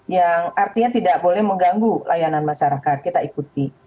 yang artinya tidak boleh mengganggu layanan masyarakat kita ikuti